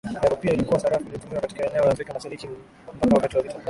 ya rupia Ilikuwa sarafu iliyotumiwa katika eneo la Afrika Mashariki mpaka wakati wa vita